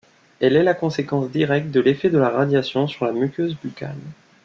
Elle est la conséquence directe de l'effet de la radiation sur la muqueuse buccale.